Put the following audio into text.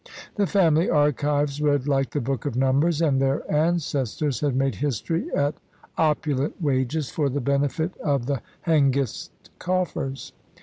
The family archives read like the Book of Numbers, and their ancestors had made history at opulent wages for the benefit of the Hengist coffers.